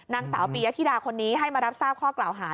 นางสาวปียธิดาคนนี้ให้มารับทราบข้อกล่าวหา